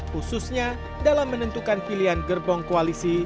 khususnya dalam menentukan pilihan gerbong koalisi